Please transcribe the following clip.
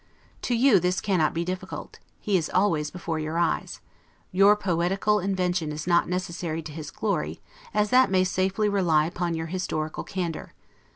To you this cannot be difficult, he is always before your eyes: your poetical invention is not necessary to his glory, as that may safely rely upon your historical candor.